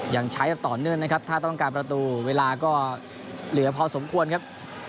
ยังใช้แบบต่อเนื่องนะครับถ้าต้องการประตูเวลาก็เหลือพอสมควรครับ